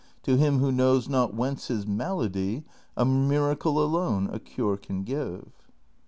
To him Avho knows not whence his malady A miracle alone a cure can give.'